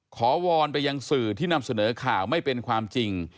วอนไปยังสื่อที่นำเสนอข่าวไม่เป็นความจริง